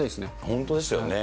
本当ですよね。